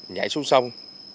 nhảy xuống sông